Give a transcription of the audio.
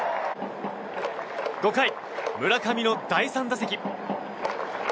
５回村上の第３打席。